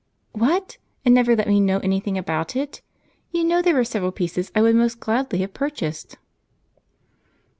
"What! and never let me know any thing about it? You know there were several pieces I would most gladly have purchased."